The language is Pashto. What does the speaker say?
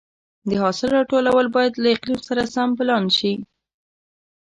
د حاصل راټولول باید له اقلیم سره سم پلان شي.